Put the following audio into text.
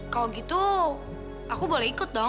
kalau gitu aku boleh ikut dong